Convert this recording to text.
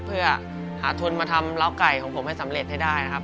เพื่อหาทุนมาทำเล้าไก่ของผมให้สำเร็จให้ได้นะครับ